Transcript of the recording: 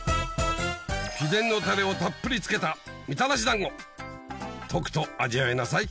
秘伝のタレをたっぷり付けたみたらし団子とくと味わいなさい